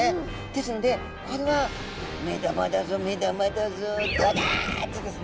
ですのでこれは目玉だぞ目玉だぞどうだ！ってですね